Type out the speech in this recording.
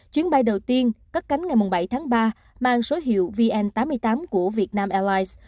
chuyến bay đầu tiên cắt cánh ngày bảy tháng ba mang số hiệu vn tám mươi tám của vietnam allies